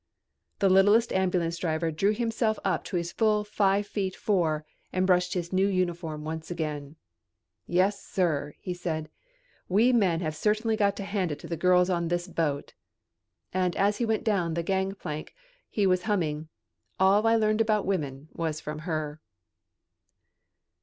The littlest ambulance driver drew himself up to his full five feet four and brushed his new uniform once again. "Yes, sir," he said, "we men have certainly got to hand it to the girls on this boat." And as he went down the gangplank he was humming: "And I learned about women from her."